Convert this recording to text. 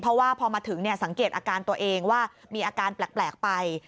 เพราะว่าพอมาถึงสังเกตอาการตัวเองว่ามีอาการแปลกไป